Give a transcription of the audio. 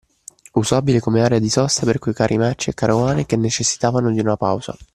Usabile come area di sosta per quei carri merci e carovane che necessitavano di una pausa.